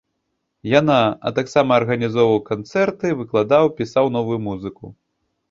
Яна, а таксама арганізоўваў канцэрты, выкладаў, пісаў новую музыку.